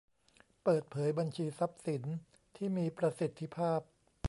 เปิดเผยบัญชีทรัพย์สินที่มีประสิทธิภาพ